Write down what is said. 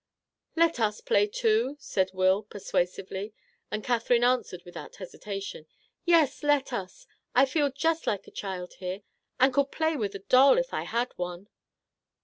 " Let us play, too," said Will, persuasively, and Katherine answered without hesitation :" Yes, let us ! I feel just like a child here, and could play with a doll if I had one